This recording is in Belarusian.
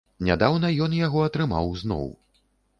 Нядаўна ён яго атрымаў зноў.